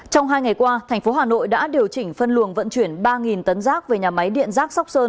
trong hai ngày qua thành phố hà nội đã điều chỉnh phân luồng vận chuyển ba tấn rác về nhà máy điện rác sóc sơn